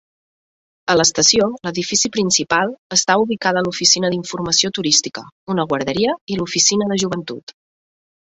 A l'estació, l'edifici principal, està ubicada l'oficina d'informació turística, una guarderia i l'oficina de Joventut.